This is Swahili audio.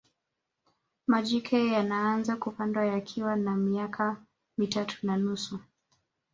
majike yanaanza kupandwa yakiwa na miaka mitatu na nusu